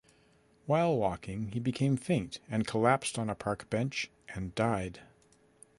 While walking he became faint and collapsed on a park bench and died.